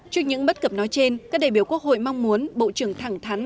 trước những bất cập nói trên các đại biểu quốc hội mong muốn bộ trưởng thẳng thắn